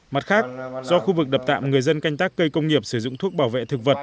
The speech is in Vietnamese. mặt khác do khu vực đập tạm người dân canh tác cây công nghiệp sử dụng thuốc bảo vệ thực vật